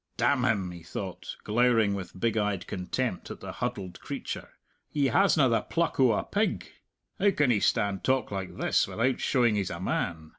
"Damn him!" he thought, glowering with big eyed contempt at the huddled creature; "he hasna the pluck o' a pig! How can he stand talk like this without showing he's a man?